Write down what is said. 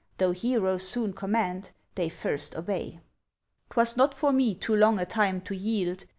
Though heroes soon command, they first obey. 'Twas not for me, too long a time to yield!